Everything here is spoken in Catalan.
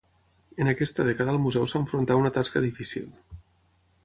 En aquesta dècada el Museu s'enfrontà a una tasca difícil.